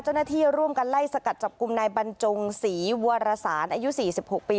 เจ้าหน้าที่ร่วมกันไล่สกัดจับกลุ่มนายบรรจงศรีวรสารอายุ๔๖ปี